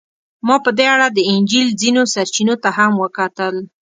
ما په دې اړه د انجیل ځینو سرچینو ته هم وکتل.